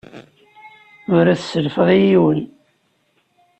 Ur as-sellfeɣ i yiwen.